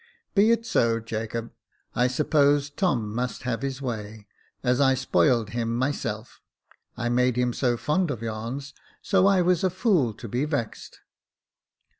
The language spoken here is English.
" Be it so, Jacob. I suppose Tom must have his way, as I spoiled him myself. I made him so fond of yarns, so I was a fool to be vexed.